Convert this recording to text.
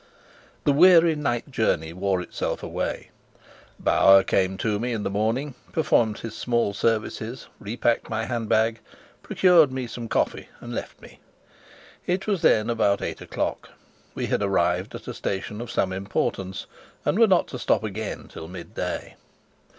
The weary night journey wore itself away. Bauer came to me in the morning, performed his small services, repacked my hand bag, procured me some coffee, and left me. It was then about eight o'clock; we had arrived at a station of some importance and were not to stop again till mid day.